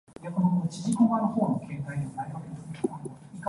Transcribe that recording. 你揸開棍波定自動波？